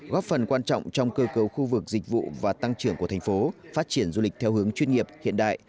góp phần quan trọng trong cơ cấu khu vực dịch vụ và tăng trưởng của thành phố phát triển du lịch theo hướng chuyên nghiệp hiện đại